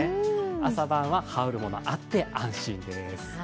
朝晩は羽織るものがあって安心です。